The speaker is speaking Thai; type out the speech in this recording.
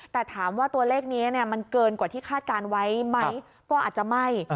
แต่ถามว่าตัวเลขนี้มันเกินกว่าที่คาดการณ์ไว้ไหมก็อาจจะไม่